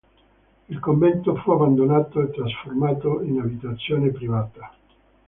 Il convento fu abbandonato e trasformato in abitazione privata.